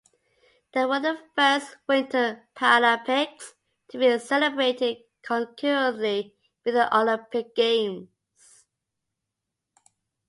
They were the first winter Paralympics to be celebrated concurrently with the Olympic Games.